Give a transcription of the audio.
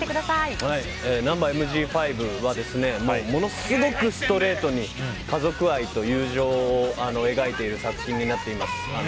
「ナンバＭＧ５」はものすごいストレートに家族愛と友情を描いている作品になっています。